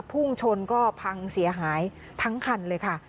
พุ่งชนก็พังเสียหายทั้งคันเลยค่ะ